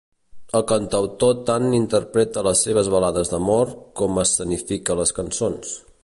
El cantautor tant interpreta les seves balades d’amor com escenifica les cançons.